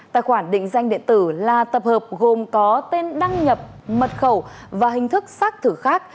tài khoản định danh điện tử là tập hợp gồm có tên đăng nhập mật khẩu và hình thức xác thử khác